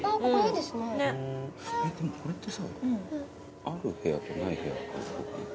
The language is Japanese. でもこれってさある部屋とない部屋あるっぽくない？